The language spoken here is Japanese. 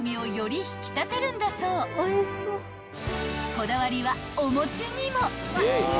［こだわりはお餅にも］